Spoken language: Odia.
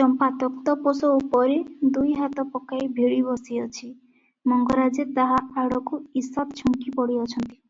ଚମ୍ପା ତକ୍ତପୋଷ ଉପରେ ଦୁଇହାତ ପକାଇ ଭିଡ଼ି ବସିଅଛି; ମଙ୍ଗରାଜେ ତାହା ଆଡକୁ ଈଷତ୍ ଝୁଙ୍କି ପଡ଼ିଅଛନ୍ତି ।